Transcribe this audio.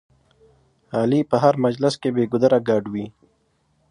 علي په هر مجلس کې بې ګودره ګډ وي.